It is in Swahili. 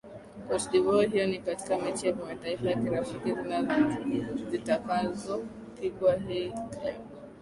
cote devoire hiyo ni katika mechi za kimataifa za kirafiki zitakazopigwa hii leo